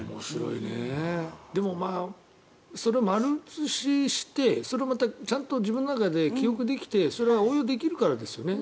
でも、それ丸写ししてそれをまたちゃんと自分の中で記憶できてそれを応用できるからですよね。